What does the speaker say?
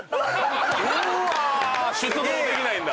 出動できないんだ！